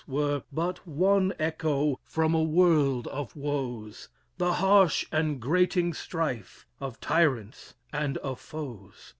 Were but one echo from a world of woes, The harsh and grating strife of tyrants and of foes.